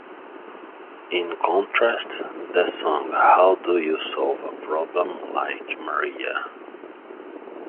In contrast, the song How Do You Solve A Problem Like Maria?